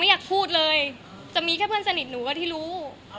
แต่ว่าจะมีเพื่อนสนิทหนูก็ที่รู้